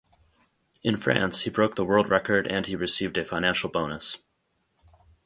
In France he broke the world record and he received a financial bonus.